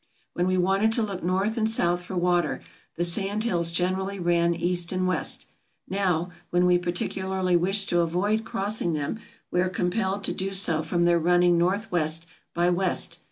When we wanted to look north and south for water, the sand hills generally ran east and west ; now, when we particularly wish to avoid crossing them, we are compelled to do so from their running north west by west.